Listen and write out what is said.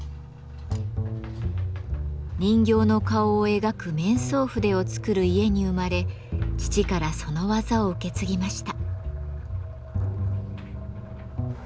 人形の顔を描く「面相筆」を作る家に生まれ父からその技を受け継ぎました。